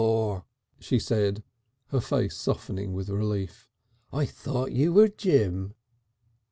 "Law!" she said, her face softening with relief, "I thought you were Jim."